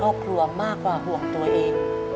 โดยโปรแกรมแม่รักลูกมาก